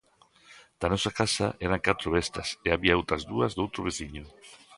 Da nosa casa eran catro bestas e había outras dúas doutro veciño.